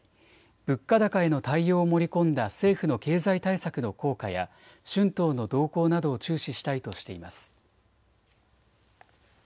物価高への対応を盛り込んだ政府の経済対策の効果や春闘の動向などを注視したいとしています。